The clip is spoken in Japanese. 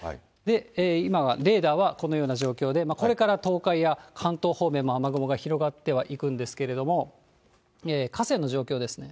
今は、レーダーはこのような状況で、これから東海や関東方面も雨雲が広がってはいくんですけれども、河川の状況ですね。